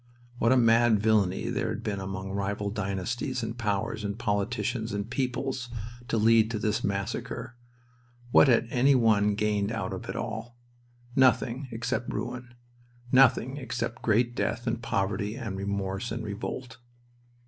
What a mad villainy there had been among rival dynasties and powers and politicians and peoples to lead to this massacre! What had any one gained out of it all? Nothing except ruin. Nothing except great death and poverty and remorse and revolt.